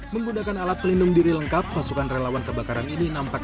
menggunakan alat pelindung diri lengkap pasukan relawan kebakaran ini nampak